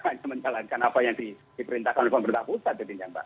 hanya menjalankan apa yang diperintahkan oleh pemerintah pusat